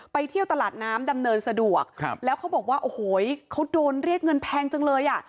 เที่ยวตลาดน้ำดำเนินสะดวกครับแล้วเขาบอกว่าโอ้โหเขาโดนเรียกเงินแพงจังเลยอ่ะ